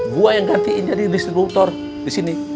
gua yang gantiin jadi distributor di sini